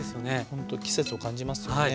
ほんと季節を感じますよね。